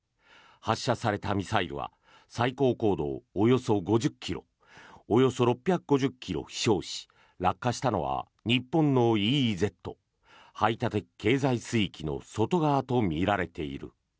発射されたミサイルは最高高度およそ５０ｋｍおよそ６５０ｋｍ飛翔し落下したのは日本のＥＥＺ・排他的経済水域の外側とみられている。